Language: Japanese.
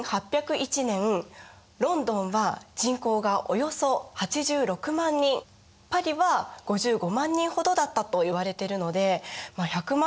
１８０１年ロンドンは人口がおよそ８６万人パリは５５万人ほどだったといわれてるのでまあ１００万人ほどの人口が集まる江戸は